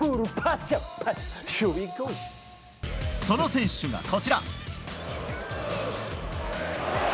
その選手が、こちら。